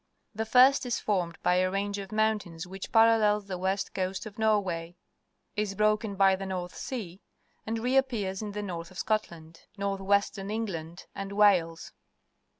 The first is formed by a range of tains which parallels the west moun coast of Norway, is broken by the North Sea, and reappears in the north of Scotland, north western England, and Wales.